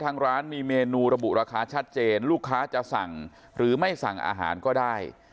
ทางร้านมีเมนูระบุราคาชัดเจนลูกค้าจะสั่งหรือไม่สั่งอาหารก็ได้